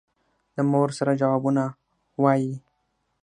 د مور سره جوابونه وايي.